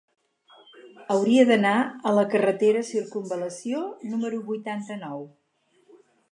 Hauria d'anar a la carretera Circumval·lació número vuitanta-nou.